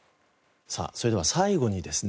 さあそれでは最後にですね